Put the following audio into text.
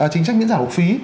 chính sách miễn giả học phí